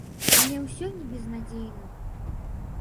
Але ўсё не безнадзейна.